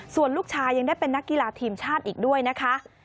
ส่วนลูกชายยังได้เป็นนักกีฬาทีมชาติอีกด้วยนะคะ